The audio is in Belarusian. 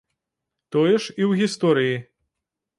Тое ж і ў гісторыі.